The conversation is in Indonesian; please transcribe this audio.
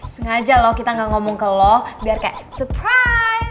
sengaja lo kita gak ngomong ke lo biar kayak surprise